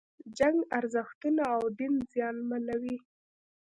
جنگ ارزښتونه او دین زیانمنوي.